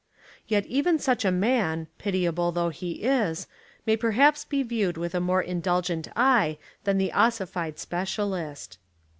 Yet even such a man, pitiable though he is, may perhaps be viewed with a more indulgent eye than the ossified specialist.